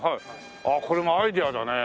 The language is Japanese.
ああこれもアイデアだね。